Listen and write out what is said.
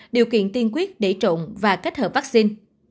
điều kiện tiên quyết để trộn và kết hợp vaccine